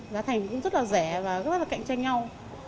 giá thành cũng rất là rẻ và rất là cạnh tranh nhau